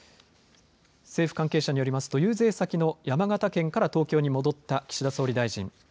政府関係者によりますと遊説先の山形県から東京に戻った岸田総理大臣。